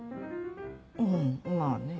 うんまぁね。